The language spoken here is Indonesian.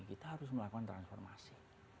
kita harus melakukan transformasi